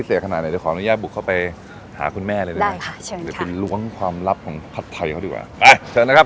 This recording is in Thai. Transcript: ตอนนี้จะต้องมาล้วงความลับของน้ำซ้อนผัดไทยให้ได้เลยนะครับ